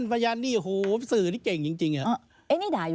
ผมไม่รู้